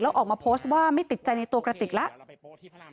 แล้วออกมาโพสต์ว่าไม่ติดใจในตัวกระติกแล้ว